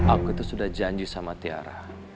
aku itu sudah janji sama tiara